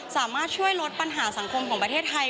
สามารถช่วยลดปัญหาสังคมของประเทศไทย